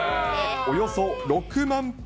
およそ６万歩。